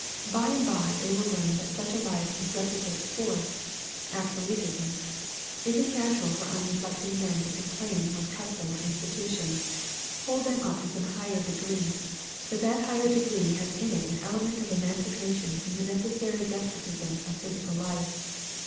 By and by they will learn that such a life necessitates force, absolutism. It is natural for unreflecting men to complain when custom or institutions hold them up to some higher degree. But that higher degree has in it an element of emancipation from the necessary despotisms of physical life.